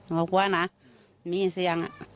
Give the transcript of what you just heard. ครอบครัวนะมีเสียงอ่ะ